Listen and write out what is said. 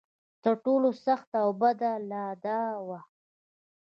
تر ټولو سخته او بده لا دا وه.